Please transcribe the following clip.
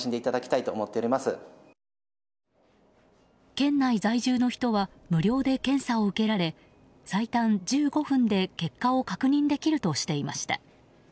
県内在住の人は無料で検査を受けられ最短１５分で結果を確認できるとしていました。